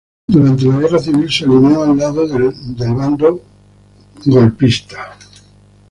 Durante la Guerra Civil se alineó del lado del Bando franquista.